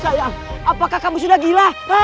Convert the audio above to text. saya apakah kamu sudah gila